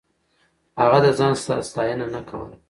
هغه د ځان ستاينه نه کوله.